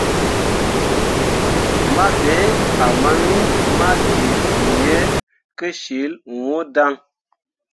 Mah be ah mawin ma kee suu ye kəsyil ŋwəə daŋ.